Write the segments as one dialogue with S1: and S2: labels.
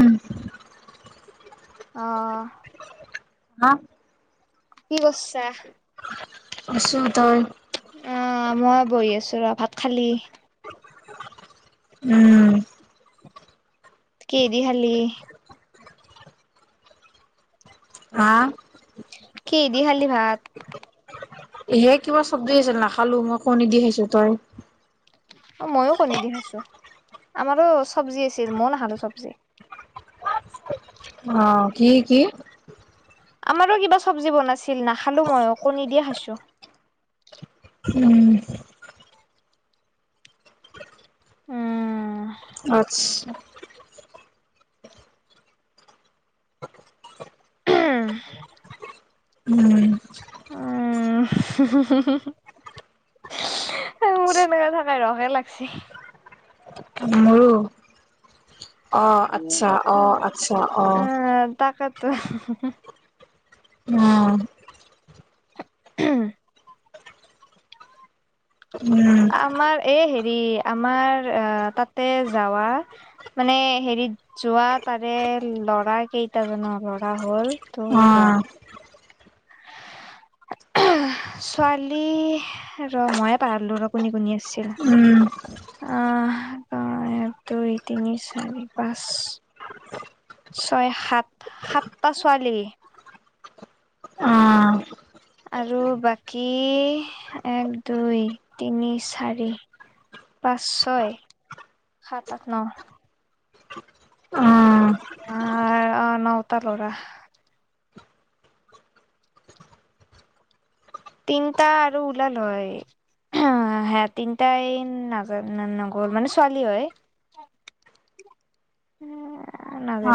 S1: উম,
S2: অ',
S1: হা?
S2: কি কৰছা?
S1: আছো তই?
S2: অ', মই বহি আছো ৰ' ভাত খালি?
S1: উম,
S2: কিহে দি খালি?
S1: হা?
S2: কিহেদি খালি ভাত?
S1: এহে কিবা চব্জি আছিল নাখালো মই কণী দি খাইছো, তই?
S2: অ', মইয়ো কণী দি খাইছোঁ, আমাৰো চব্জি আছিল মই নখালো চবজি।
S1: অ', কি কি?
S2: আমাৰো কিবা চব্জি বনাইছিল নাখালো মইয়ো কণী দিয়ে খাইছো।
S1: উম,
S2: উম।
S1: আচ্ছা।
S2: হম
S1: উম,
S2: উম, মোৰ তেনেকে থাকাই ৰসে লাগচি।
S1: মোৰো অ
S2: কি
S1: আচ্ছা অ
S2: কথা,
S1: আচ্ছা অ
S2: আহ তাকেতো।
S1: উম,
S2: [unintelligible]
S1: উম
S2: আমাৰ এই হেৰি আমাৰ, আহ তাতে যাৱা। মানে হেৰিত যোৱা তাৰে ল'ৰা কেইটাজনৰ ল'ৰা হ'ল ত'
S1: অ',
S2: [unintelligible] ছোৱালী ৰ' মইয়ে পাহাৰলোঁ ৰ' কোনে কোনে আছিল।
S1: উম
S2: আহ [unintelligible] এক, দুই, তিনি, চাৰি, পাঁচ। ছয় সাত, সাতটা ছোৱালী।
S1: অ
S2: আৰু বাকী, এক, দুই, তিনি, চাৰি। পাঁচ, ছয়, সাত, আঠ, ন। অ', অ, অ, নৌতটা ল'ৰা। তিনটা আৰু ওলাল হয়। ইহঁত তিনটাই নাজান নগ'ল মানে ছোৱালী হয়।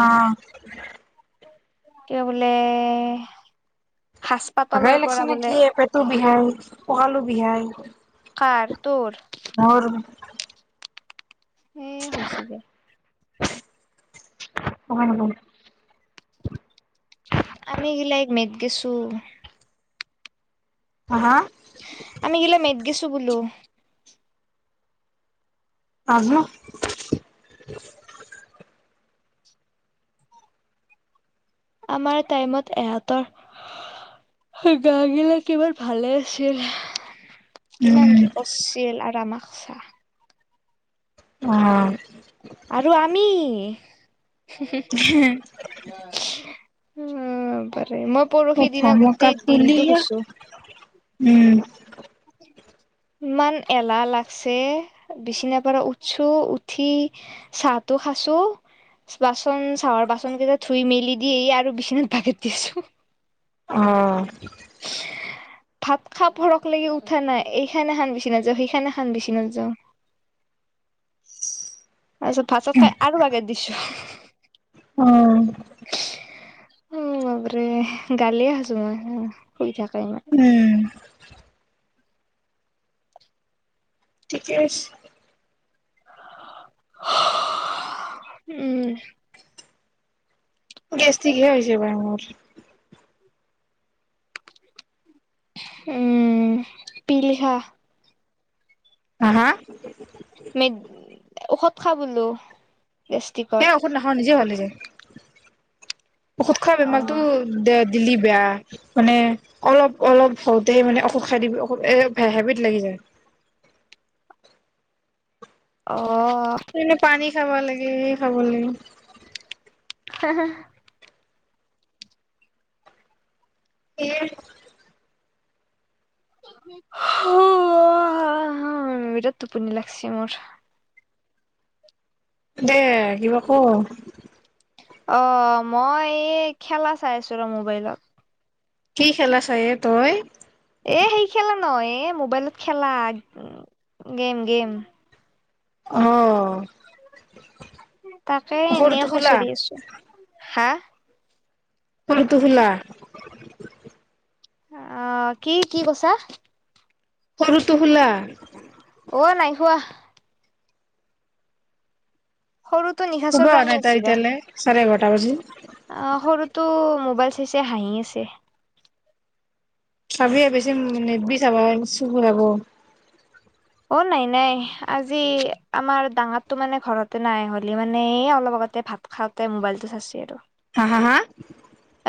S1: অ
S2: [unintelligible] কিবা বোলে সাজ
S1: হাগাই
S2: পাতলৰ
S1: লাগছি
S2: পৰা
S1: নে
S2: বোলে
S1: কিয়ে পেটটো বিহাই আৰু ককালো বিহাই।
S2: কাৰ তোৰ?
S1: মোৰ।
S2: এ হৈছি দে।
S1: গমে নাপাওঁ
S2: আমি গিলাই মেদ গেছো‍ঁ।
S1: হা
S2: আমি গিলাই মেদ গিছোঁ বোলো।
S1: [unintelligible]
S2: আমাৰ টাইমত এহঁতৰ গা গিলা কিমান ভালে আছিল। কিমান
S1: উম
S2: কি কৰিছিল আৰু আমাক চাঁ।
S1: অ'।
S2: আৰু আমি হঁ-হঁ উম পাৰে মো পৰহি দিনা
S1: ধমকা
S2: গোটেই দিনটো
S1: ফুলিয়া
S2: শুইছোঁ।
S1: উম
S2: ইমান এলাহ লাগছে। বিচনা পৰা উঠছোঁ। উঠি চাহটো খাছোঁ। বাচন- চাহৰ বাচন কেইটা ধুই মেলি দি, এই আৰু বিচনাত বাগাৰ দিছোঁ।
S1: অ'।
S2: [unintelligible] ভাত খা পৰক লৈকে উঠা নাই। এইখান এখন বিচনাত যাওঁ, সেইখান এখন বিচনাত যাওঁ। [inaudible] তাৰছত ভাত-চাত খাই আৰু বাগাৰ দিছোঁ।
S1: অ',
S2: উম বাপৰে, গালিয়ে খাইছোঁ মই। শুই থাকে ইমান।
S1: উম, ঠিকে আছে।
S2: উম।
S1: গেষ্টিকহে হৈছে পাই মোৰ।
S2: উম, পিল খা।
S1: হা - হা?
S2: মেড- ঔষধ খা বোলো। গেষ্টিকৰ
S1: সেই ঔষধ নাখাওঁ, নিজে ভাল হৈ যায়। ঔষধ খোৱা বেমাৰটো
S2: অ
S1: দ [unintelligible] বেয়া মানে অলপ-অলপ হওঁতেই মানে ঔষধ খাই দিব ঔষধ এ হেবিত লাগি যায়।
S2: [inaudible]
S1: সেইকাৰণে পানী খাব লাগে এ খাব লাগে।
S2: হঁ-হঁ।
S1: [unintelligible]
S2: বিৰাট টোপনি লাগছি মোৰ।
S1: দে কিবা ক।
S2: অ' মই এ খেলা চাই আছোঁ ৰ' মোবাইলত।
S1: কি খেলা চায় এ তই?
S2: এ সেই খেলা নহয় এ, মোবাইলত খেলা। গেম-গেম।
S1: অ'।
S2: তাকে এনে
S1: সৰুটো শুলা?
S2: খুচৰি আছোঁ। হা?
S1: কোনটো খেলা?
S2: অ' কি- কি কৈছা?
S1: সৰুটো শুলা?
S2: অ' নাই শুৱা। সৰুটো নিশাচৰ
S1: শুবা হোৱা
S2: প্ৰাণী
S1: নাই তাই
S2: হৈছি ৰ'।
S1: এতিয়ালে, চাৰে এঘাৰটা বাজিল।
S2: অ' সৰুটো ম বাইল চাই চাই হাঁহি আছে।
S1: চাবি এ বেছি নেদবি চাবা, চকু যাব।
S2: অ' নাই - নাই। আজি আমাৰ ডাঙাৰটো মানে ঘৰতে নাই, হলে মানে এ অলপ আগতে ভাত খাওঁতে মোবাইলটো চাইচি আৰু।
S1: হা - হা - হা?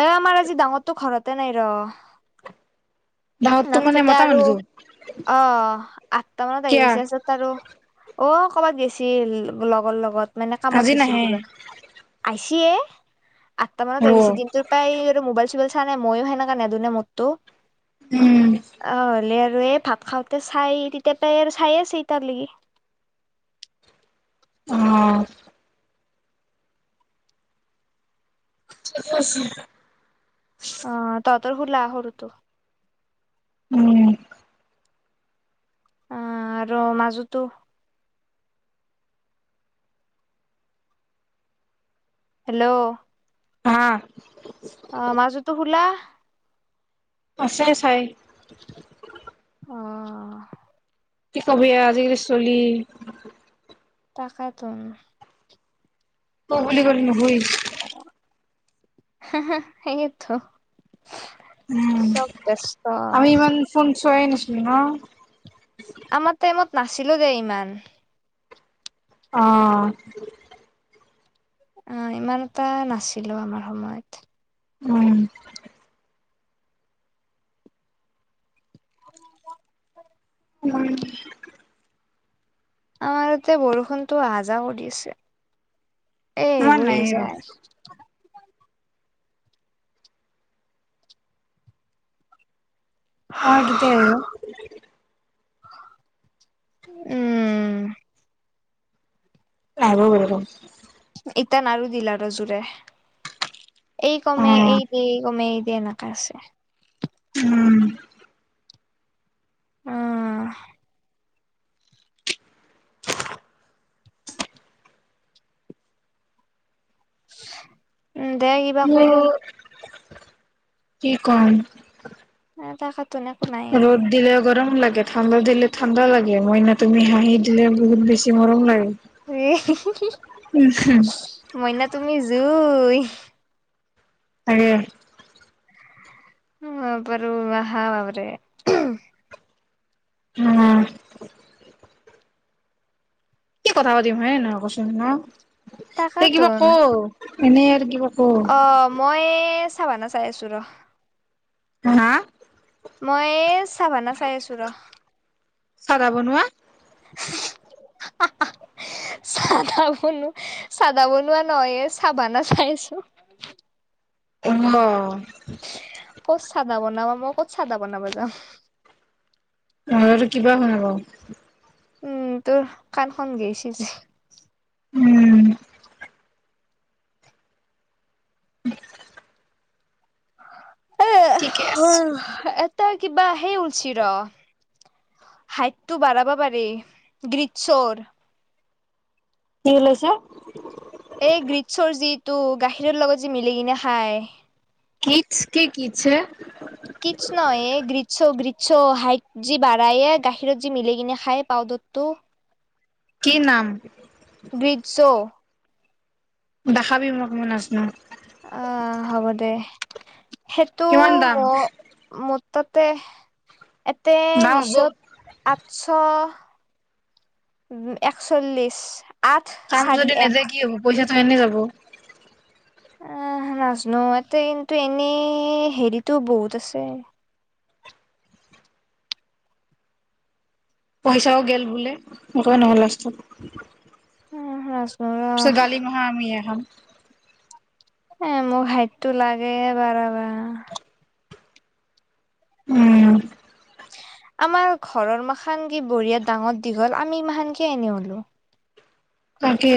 S2: এ আমাৰ আজি ডাঙতটো ঘৰতে নাই ৰ।
S1: দাহতটো মানে
S2: নাথকুতে
S1: মতা
S2: আৰু
S1: মানুহটো
S2: অ' আঠটা মানত আহি
S1: কিয়া
S2: পায়চে তাৰ পিচত আৰু অ' ক'বাত গেছিল লগৰ লগত মানে
S1: আজি
S2: কামত গেছিল
S1: নাহে
S2: কিবা আহি [unintelligible] আঠটা মানত আহি
S1: ৰব
S2: পায়চি দিনটোৰ প্ৰায় মোবাইল চোবাইল নাই-নাই মইয়ো হেনেকা নেদু না মতটো।
S1: উম।
S2: আৰু এই ভাত খাওঁতে চাই তেতিয়াৰপাই আৰু চায়ে আছে ইতাকলেগি।
S1: অ'। [unintelligible]
S2: অ' তহতৰ সুলাক সৰু টো?
S1: উম।
S2: অ' আৰু মাজোতো? হেল্ল!
S1: হা
S2: অ' মাজো তো শুলাক?
S1: আছে চাই।
S2: অ'।
S1: কি কবি আজিকালিৰ ছলি।
S2: তাকেত উম।
S1: ত বুলি কৰি [unintelligible]
S2: [unintelligible] সেয়েট।
S1: উম, আমি ইমান ফোন চোৱাই নাছিলো ন।
S2: আমাৰ টাইমত নাছিলো দেই ইমান।
S1: অ'।
S2: অ' ইমান এটা নাছিলো আমাৰ সময়ত।
S1: উম।
S2: [unintelligible]
S1: উম
S2: আমাৰ য়াতে বৰষুণটো আ জা কৰি আছে এই
S1: আমাৰ
S2: হৈ
S1: নাই ৰ
S2: যায়।
S1: অ' এটোটে আহিব।
S2: উম।
S1: [unintelligible]
S2: ইতান আৰু দিলা আৰু জুৰে এই
S1: অ
S2: কমে এই দেই এই কমে এনেকা আছে।
S1: উম।
S2: অ'। উম দে কিবা কৌ?
S1: মোৰ কি কম?
S2: তাকেতোন একো নাই
S1: ৰ'দ দিলেও গৰম লাগে ঠাণ্ডা দিলে ঠাণ্ডা লাগে মইনা তুমি হাঁহি দিলে বহুত বেছি মৰম লাগে।
S2: [unintelligible] মইনা তুমি জুই।
S1: [unintelligible]
S2: [unintelligible]
S1: উম। কি কথা পাতিম হয়নে নহয় কচোন ন এই কিবা
S2: তাকাতোন
S1: কৈ এনেই আৰ কিবা ক
S2: অ' মই চাভানা চাই আছো ৰ।
S1: হা, হা
S2: মই এ চাভানা চাই আছো ৰ।
S1: চাদা বনোৱা
S2: [unintelligible] চাধা বনো চাদা বনোৱা নহয় এ চাভানা চাই আছো।
S1: [unintelligible]
S2: ক'ত চাদা বনাব মই ক'ত চাদা বনাব যাম
S1: অ এটো কিবা শুনা পাও
S2: উম তোৰ কানখন গেইছে যে
S1: উম
S2: এ
S1: ঠিকে আছে
S2: এটা কিবা হে উৰচি ৰ হাইটটো বাঢ়াব পাৰি গ্ৰীজচৰ
S1: কি লৈছে
S2: এই গ্ৰীচচৰ্ যিটো গাখীৰৰ লগত যি মিলি কিনে খাই
S1: ইছ্ কি কিট
S2: কিছ্ নহএই গ্ৰীছ অ গিপ চ' হাইট যি বাঢ়ায়ে গাখীৰত যি মিলি কিনে খায় পাউদাৰ টো
S1: কি নাম
S2: গ্ৰীছ্ ঔ
S1: দাখাবি মোক মই নাজনো
S2: আহ হ'ব দে সেইটো
S1: কিমান দাম
S2: ম মো তাতে এতে
S1: দাম হ'ব
S2: মিছত আঠচ উ একচল্লিশ আঠ
S1: কাম
S2: চাৰি
S1: যদি
S2: এক
S1: নেদে কি হ'ব পইচাটো এনে যাব
S2: আহ নাজনো ইতে কিন্তু এনেই হেৰিটো বহুত আছে
S1: পইচাও গেল বোলে সেইকাৰণে হুলস্থুল
S2: নাজনো ৰ
S1: পিচে গালি মহা আমিহে খাম
S2: এ মোক হাইতটো লাগে বাৰাবা
S1: উম
S2: আমাৰ ঘৰৰ মাখান কি বঢ়িয়া ডাঙৰ দীঘল আমি ইমাহাখান কি এনে হলো
S1: তাকে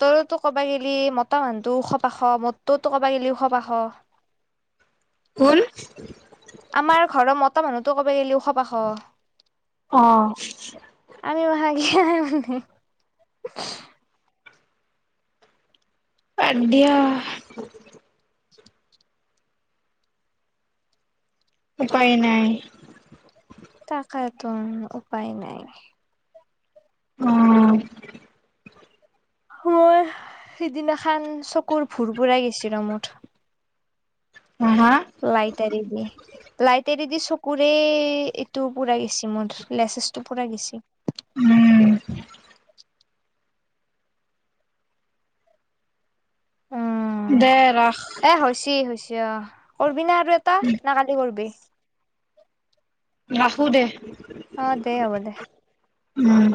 S2: তৰোতো ক'বা গেলি মতা মানুহটো ওখ পাখ মৰটোতো কবা গেলি ওখ পাখ। [inaudible]
S1: কোন
S2: আমাৰ ঘৰৰ মতা মানুহতো কব গিলি ওখ পাখ
S1: অ
S2: [unintelligible]
S1: বাদ দিয়া উপাই নাই
S2: তাকেটো উপায় নাই
S1: উম
S2: [unintelligible] মই সিদিনাখান চকুৰ ভোৰ ভোৰাই গেছি ৰ মুঠ
S1: উ মা
S2: লাই তাৰিকে লাইট এৰি দি চকুৰে এইটো পুৰা গেছি মোৰ লেছেছটো পুৰা গেছি
S1: উম
S2: উম
S1: দে ৰাখ
S2: এয়া কৰবি না আৰু এটা না কালি কৰবি
S1: ৰাখো দে
S2: আহ দে হ'ব দে
S1: উম